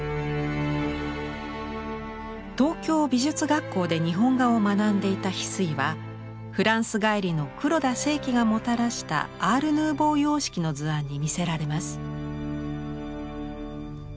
東京美術学校で日本画を学んでいた非水はフランス帰りの黒田清輝がもたらしたアール・ヌーヴォー様式の図案に魅せられます。